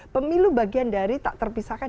pemilu bagian dari tak terpisahkan